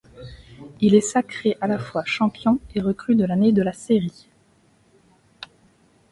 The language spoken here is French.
Il est sacré à la fois champion et recrue de l’année de la série.